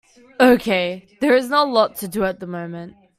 Okay, there is not a lot to do at the moment.